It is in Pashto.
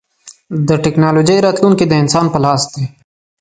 د ټکنالوجۍ راتلونکی د انسان په لاس دی.